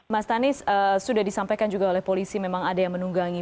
mas tanis sudah disampaikan juga oleh polisi memang ada yang menunggangi